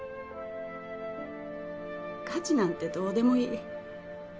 価値なんてどうでもいい。